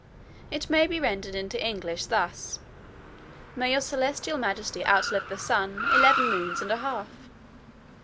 It may be rendered into English thus: "May your celestial majesty outlive the sun, eleven moons and a half!"